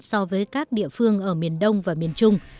so với các địa phương ở miền đông và miền trung